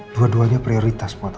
dua duanya prioritas buat aku